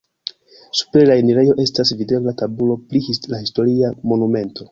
Super la enirejo estas videbla tabulo pri la historia monumento.